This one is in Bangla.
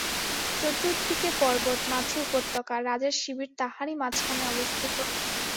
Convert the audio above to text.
চতুর্দিকে পর্বত, মাঝে উপত্যকা, রাজার শিবির তাহারই মাঝখানেই অবস্থিত।